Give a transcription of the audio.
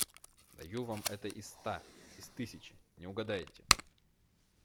Даю вам это из ста, из тысячи... не угадаете.